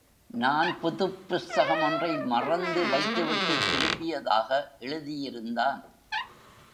நான் புதுப் புஸ்தகம் ஒன்றை மறந்து வைத்துவிட்டுத் திரும்பியதாக எழுதியிருந்தான்.